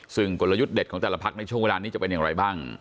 ซึ่งกลยุทธ์เด็ดของแต่ละพักในช่วงเวลานี้จะเป็นอย่างไรบ้าง